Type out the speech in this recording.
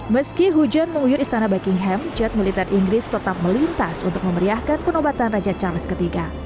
meski hujan menguyur istana buckingham jet militer inggris tetap melintas untuk memeriahkan penobatan raja charles iii